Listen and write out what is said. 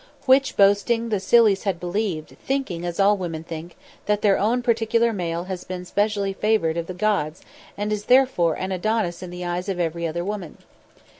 Which boasting the sillies had believed, thinking, as all women think, that their own particular male has been specially favoured of the gods and is therefore an Adonis in the eyes of every other woman.